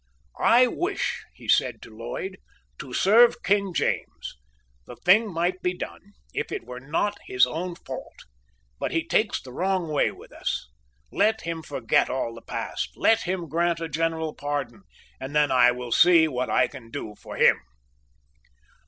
"I wish," he said to Lloyd, "to serve King James. The thing might be done, if it were not his own fault. But he takes the wrong way with us. Let him forget all the past; let him grant a general pardon; and then I will see what I can do for him."